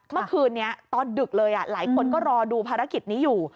เมื่อคืนนี้ตอนดึกเลยหลายคนก็รอดูภารกิจนี้อยู่